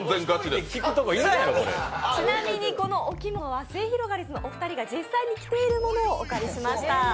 ちなみにこの置物はすゑひろがりずのお二人が実際に着ているものをお借りしました。